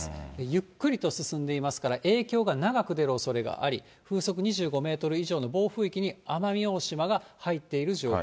ゆっくりと進んでいますから、影響が長く出るおそれがあり、風速２５メートル以上の暴風域に奄美大島が入っている状況。